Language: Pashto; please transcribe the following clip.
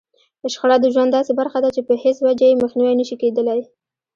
شخړه د ژوند داسې برخه ده چې په هېڅ وجه يې مخنيوی نشي کېدلای.